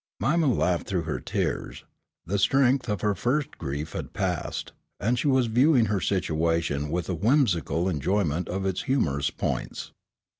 Mima laughed through her tears. The strength of her first grief had passed, and she was viewing her situation with a whimsical enjoyment of its humorous points.